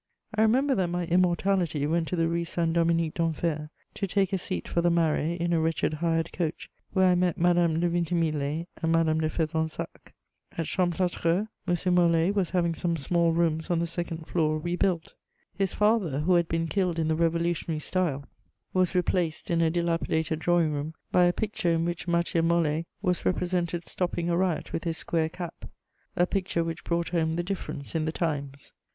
I remember that my immortality went to the Rue Saint Dominique d'Enfer to take a seat for the Marais in a wretched hired coach, where I met Madame de Vintimille and Madame de Fezensac. At Champlâtreux M. Molé was having some small rooms on the second floor rebuilt. His father, who had been killed in the revolutionary style, was replaced, in a dilapidated drawing room, by a picture in which Matthieu Molé was represented stopping a riot with his square cap: a picture which brought home the difference in the times.